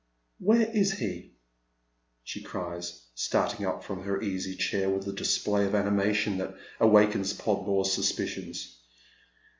"Where is he?" she cries, starting up from her easy chair with a display of animation that awakens Podmore's suspicions.